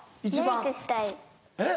えっ？